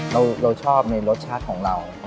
เราชอบในรสชาติของเรา